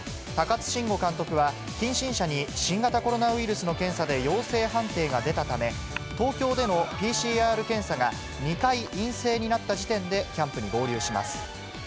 高津臣吾監督は近親者に新型コロナウイルスの検査で陽性判定が出たため、東京でのＰＣＲ検査が２回陰性になった時点でキャンプに合流します。